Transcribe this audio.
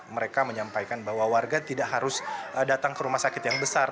mereka menyampaikan bahwa warga tidak harus datang ke rumah sakit yang besar